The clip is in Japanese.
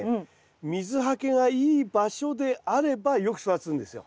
水はけがいい場所であればよく育つんですよ。